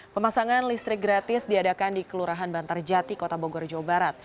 pemasangan listrik gratis diadakan di kelurahan bantarjati kota bogor jawa barat